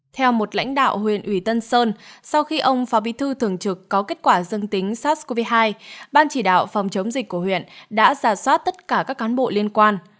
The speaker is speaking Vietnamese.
theo một lãnh đạo huyện ủy tân sơn sau khi ông phó bí thư thường trực có kết quả dương tính sars cov hai ban chỉ đạo phòng chống dịch của huyện đã giả soát tất cả các cán bộ liên quan